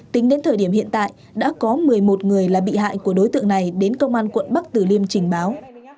tính đến thời điểm hiện tại đã có một mươi một người là bị hại của đối tượng này đến công an quận bắc tử liêm trình báo